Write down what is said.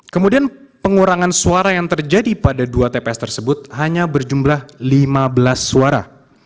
kemudian pengurangan suara yang terjadi pada dua tps tersebut hanya berjumlah lima belas suara